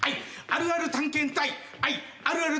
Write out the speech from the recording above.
「あるある探検隊はい！」